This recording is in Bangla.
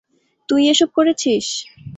তুই এসব করেছিস?